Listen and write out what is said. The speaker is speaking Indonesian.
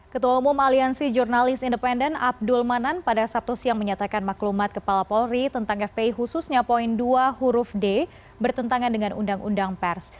ketua umum aliansi jurnalis independen abdul manan pada sabtu siang menyatakan maklumat kepala polri tentang fpi khususnya poin dua huruf d bertentangan dengan undang undang pers